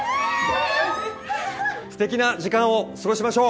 素敵な時間を過ごしましょう。